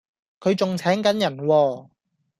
佢仲請緊人喎